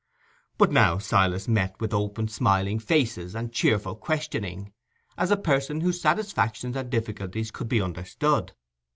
But now Silas met with open smiling faces and cheerful questioning, as a person whose satisfactions and difficulties could be understood.